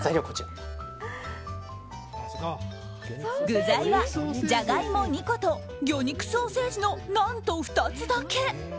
具材はジャガイモ２個と魚肉ソーセージの何と、２つだけ。